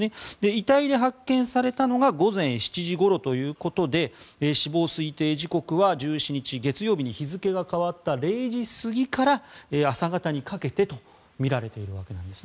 遺体で発見されたのが午前７時ごろということで死亡推定時刻は１７日月曜日に日付が変わった０時過ぎから朝方にかけてとみられているわけなんです。